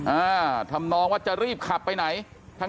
อ่าทำนองว่าจะรีบขับไปไหน